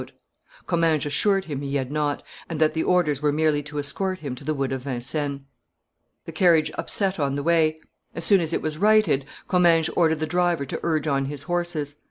Comminges assured him he had not, and that the orders were merely to escort him to the wood of Vincennes. The carriage upset on the way; as soon as it was righted, Comminges ordered the driver to urge on his horses.